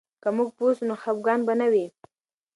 که موږ پوه سو، نو خفګان به نه وي.